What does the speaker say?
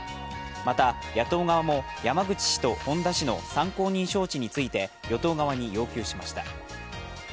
また野党側も山口氏と本田氏の参考人招致について与党側に要求しました。